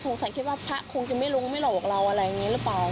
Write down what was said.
สงสัยคิดว่าพระคงจะไม่รู้ไม่หลอกเราอะไรอย่างนี้หรือเปล่า